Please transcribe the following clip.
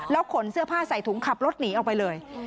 ขนเสื้อผ้าใส่ถุงขับรถหนีออกไปเลย